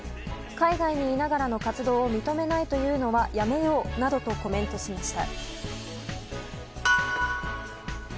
海外にいながらの活動を認めないというのはやめようなどとコメントしました。